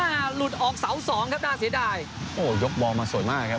หลุดออกเสาสองครับน่าเสียดายโอ้โหยกบอลมาสวยมากครับ